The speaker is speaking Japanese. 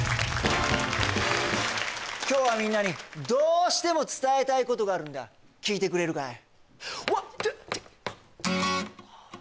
今日はみんなにどうしても伝えたいことがあるんだ聞いてくれるかい？